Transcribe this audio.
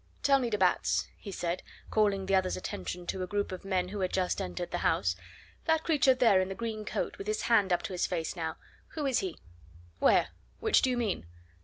"Tell me, de Batz," he said, calling the other's attention to a group of men who had just entered the house, "that creature there in the green coat with his hand up to his face now who is he?" "Where? Which do you mean?"